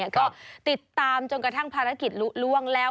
ก็ติดตามจนกระทั่งภารกิจลุล่วงแล้ว